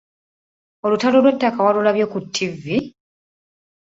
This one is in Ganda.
Olutalo lw’ettaka walulabye ku ttivvi?